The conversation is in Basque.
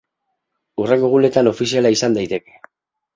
Hurrengo egunetan ofiziala izan daiteke.